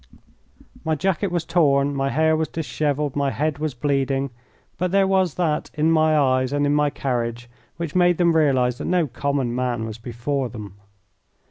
My jacket was torn, my hair was dishevelled, my head was bleeding, but there was that in my eyes and in my carriage which made them realise that no common man was before them.